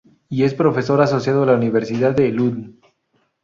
Y es profesor asociado de la Universidad de Lund.